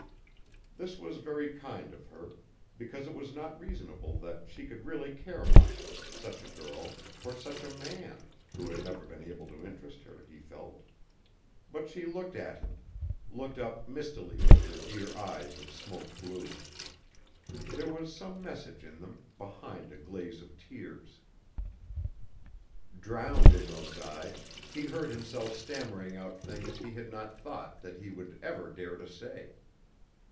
This was very kind of her, because it was not reasonable that she could really care much such a girl for such a man, who had never been able to interest her, he felt. But she looked at him, looked up mistily with her dear eyes of smoke blue. There was some message in them, behind a glaze of tears. Drowned in those eyes, he heard himself stammering out things he had not thought that he would ever dare to say.